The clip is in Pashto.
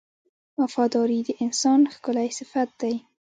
• وفاداري د انسان ښکلی صفت دی.